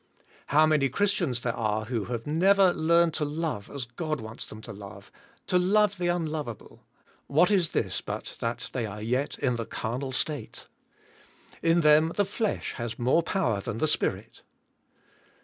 How many Christians there are who have never learned to love as God wants them to love, to love the unlovable. What is this but that they are yet in the carnal state? In them the flesh has more power than the Spirit.